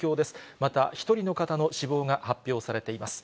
また、１人の方の死亡が発表されています。